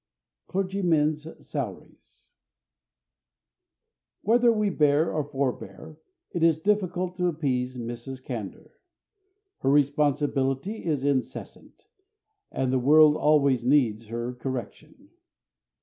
CLERGYMEN'S SALARIES Whether we bear or forbear, it is difficult to appease Mrs. Candour. Her responsibility is incessant, and the world always needs her correction.